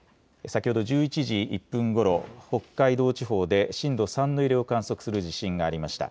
先ほど１１時１分ごろ、北海道地方で震度３の揺れを観測する地震がありました。